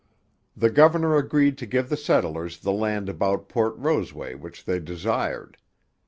The governor agreed to give the settlers the land about Port Roseway which they desired.